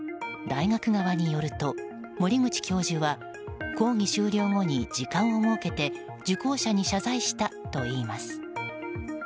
大学側によると守口教授は講義終了後に時間を設けて受講者に謝罪したといいます。